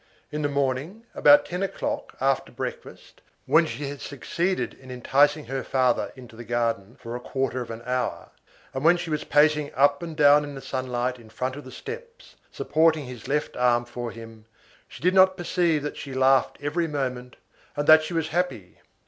In the morning, about ten o'clock, after breakfast, when she had succeeded in enticing her father into the garden for a quarter of an hour, and when she was pacing up and down in the sunlight in front of the steps, supporting his left arm for him, she did not perceive that she laughed every moment and that she was happy.